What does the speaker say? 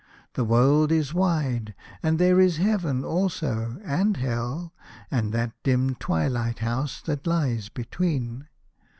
" The world is wide, and there is Heaven also, and Hell, and that dim twilight house that lies between.